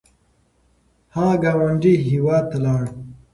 هغه ګاونډي هیواد ته لاړ